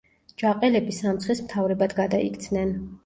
ჯაყელები სამცხის მთავრებად გადაიქცნენ.